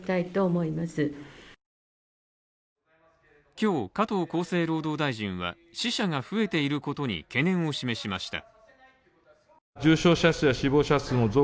今日、加藤厚生労働大臣は死者が増えていることに懸念を示しました。